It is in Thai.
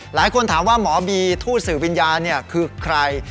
หลายคนถามว่าหมอบีทูตสื่อวิญญาณคือใคร